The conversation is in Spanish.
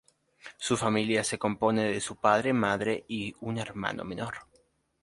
Su familia se compone de su padre, madre y un hermano menor.